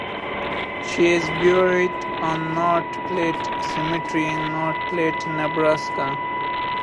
She is buried on North Platte Cemetery in North Platte, Nebraska.